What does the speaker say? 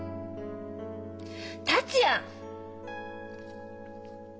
達也！